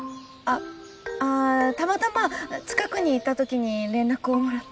ああぁたまたま近くにいたときに連絡をもらって。